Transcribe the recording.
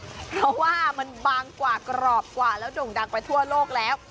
เพราะว่ามันบางกว่ากรอบกว่าแล้วด่งดังไปทั่วโลกแล้ว